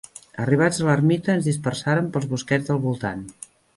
Arribats a l'ermita, ens dispersàrem pels bosquets del voltant.